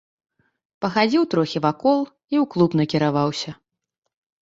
Пахадзіў трохі вакол і ў клуб накіраваўся.